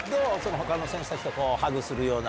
ほかの選手たちとハグするような。